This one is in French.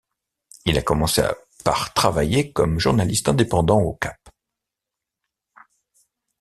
Il a commencé par travailler comme journaliste indépendant au Cap.